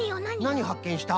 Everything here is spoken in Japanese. なにはっけんした？